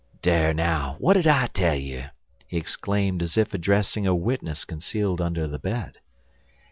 "Dar now! W'at I tell you?" he exclaimed as if addressing a witness concealed under the bed.